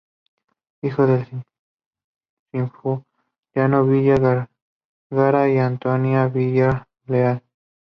Hijo de Sinforiano Villa Vergara y Antonina Villa Leal.